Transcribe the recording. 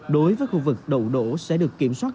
đối với khu vực đậu đổ sẽ được kiểm soát